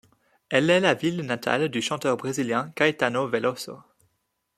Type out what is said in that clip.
Elle est la ville natale du chanteur brésilien Caetano Veloso.